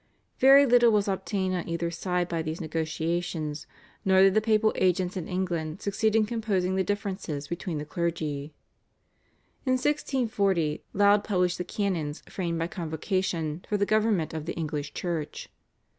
Very little was obtained on either side by these negotiations, nor did the papal agents in England succeed in composing the differences between the clergy. In 1640 Laud published the canons framed by Convocation for the government of the English Church.